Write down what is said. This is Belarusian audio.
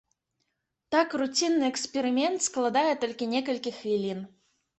Так руцінны эксперымент складае толькі некалькі хвілін.